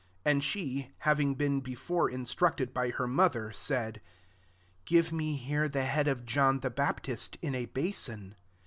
8 And she, having been before instructed bj her mother, said, << Give me here the head of John the Bap tist in a basin."